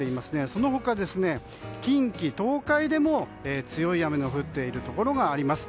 その他、近畿・東海でも強い雨の降っているところがあります。